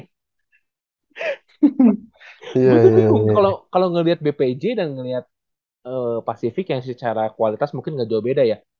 gue tuh bingung kalo ngeliat bpj dan ngeliat pacific yang secara kualitas mungkin gak jauh beda ya